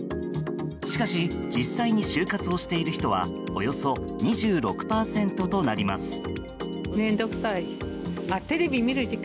しかし実際に終活をしている人はおよそ２６％となります。